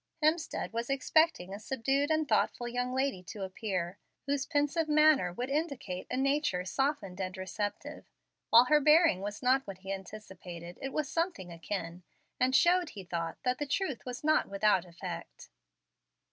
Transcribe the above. Hemstead was expecting a subdued and thoughtful young lady to appear, whose pensive manner would indicate a nature softened and receptive. While her bearing was not what he anticipated, it was somewhat akin, and showed, he thought, that the truth was not without effect.